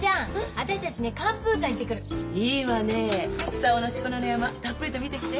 久男の四股名の山たっぷりと見てきて。